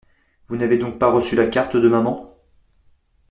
Vous n’avez donc pas reçu la carte de maman ?